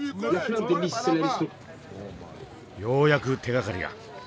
ようやく手がかりが。